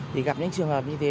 thì gặp những trường hợp như thế